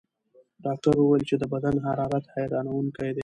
ډاکټره وویل چې د بدن حرارت حیرانوونکی دی.